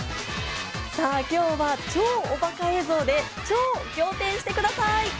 さぁ今日は超おバカ映像で超仰天してください！